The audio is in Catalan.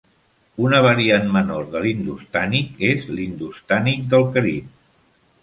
Una variant menor de l'hindustànic és l'hindustànic del Carib.